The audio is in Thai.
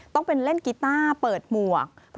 สนุนโดยอีซุสุข